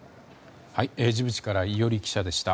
ジブチから伊従記者でした。